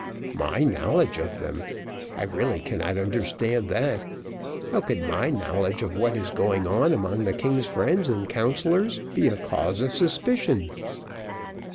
"My knowledge of them. I really cannot understand that. How can my knowledge of what is going on among the king's friends and councillors be a cause of suspicion?"